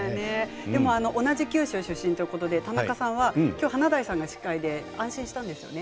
同じ九州出身ということで田中さんはきょう華大さんが司会で安心したんですよね。